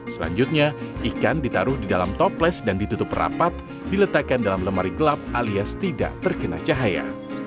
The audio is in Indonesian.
selanjutnya ikan ditaruh di dalam toples dan ditutup rapat diletakkan dalam lemari gelap alias tidak terkena cahaya